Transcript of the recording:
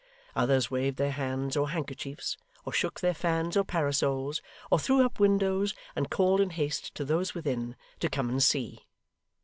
Others waved their hands or handkerchiefs, or shook their fans or parasols, or threw up windows and called in haste to those within, to come and see.